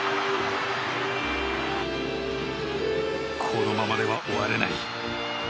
このままでは終われない。